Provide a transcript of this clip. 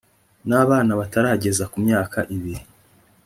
n abana batarageza ku myaka ibiri